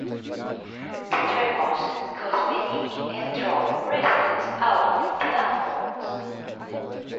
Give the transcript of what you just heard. The tremors caused panic and drove residents out of their homes.